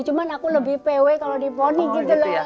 cuman aku lebih pewe kalau diponi gitu